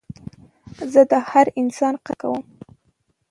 زه د هر انسان قدر کوم.